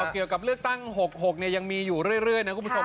เกี่ยวกับเลือดตั้ง๐๖๐๖เนี่ยยังมีอยู่เรื่อยครับคุณผู้ชม